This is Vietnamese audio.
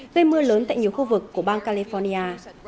gây mưa lớn tại nhiều khu vực của bang california